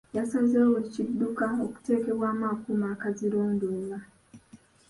Yasazeewo buli kidduka okuteekebwemu akuuma akazirondoola.